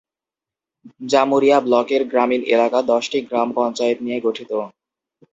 জামুরিয়া ব্লকের গ্রামীণ এলাকা দশটি গ্রাম পঞ্চায়েত নিয়ে গঠিত।